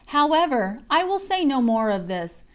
" However, I will say no more of this.